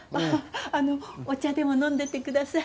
あのお茶でも飲んでってください。